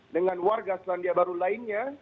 dengan warga selandia baru lainnya